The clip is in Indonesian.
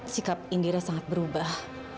sikap indira sangat berubah